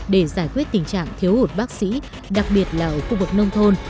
để giải quyết tình trạng thiếu hụt bác sĩ đặc biệt là ở khu vực nông thôn